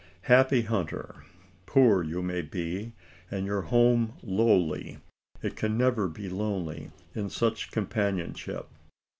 Happy hunter! poor you may be, and your home lowly; it can never be lonely in such companionship.